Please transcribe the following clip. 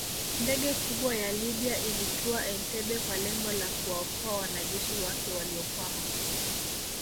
Ndege kubwa ya Libya ilitua Entebbe kwa lengo la kuwaokoa wanajeshi wake waliokwama